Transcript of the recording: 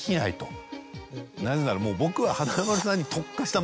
なぜならもう僕は。